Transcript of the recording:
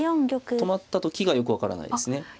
止まった時がよく分からないですね。